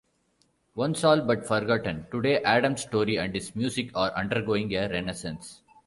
Once all-but-forgotten, today Adams' story and his music are undergoing a renaissance.